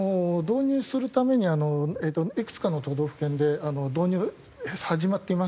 導入するためにいくつかの都道府県で導入始まっています。